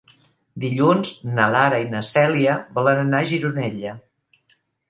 Dilluns na Lara i na Cèlia volen anar a Gironella.